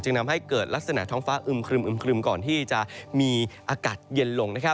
ทำให้เกิดลักษณะท้องฟ้าอึมครึมก่อนที่จะมีอากาศเย็นลง